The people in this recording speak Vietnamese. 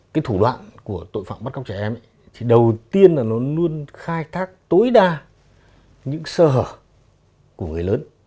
cái thủ đoạn của tội phạm bắt cóc trẻ em thì đầu tiên là nó luôn khai thác tối đa những sơ hở của người lớn